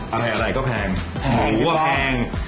อะไรก็แพงแพงดีกว่าแพง